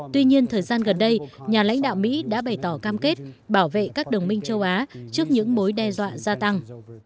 tuy nhiên thời gian gần đây nhà lãnh đạo mỹ đã bày tỏ cam kết bảo vệ các đồng minh châu á trước những mối đe dọa gia tăng